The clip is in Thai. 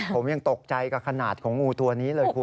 ผมยังตกใจกับขนาดของงูตัวนี้เลยคุณ